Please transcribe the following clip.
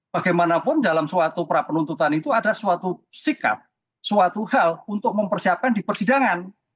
bagaimanapun dalam suatu pra penuntutan itu ada suatu sikap suatu hal untuk mempersiapkan di persidangan